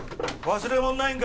忘れ物ないんか？